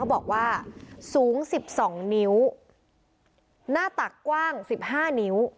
เขาบอกว่าสูงสิบสองนิ้วหน้าตักกว้างสิบห้านิ้ว